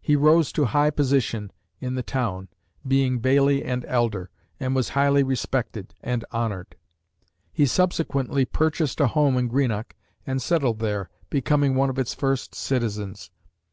He rose to high position in the town, being Bailie and Elder, and was highly respected and honored. He subsequently purchased a home in Greenock and settled there, becoming one of its first citizens.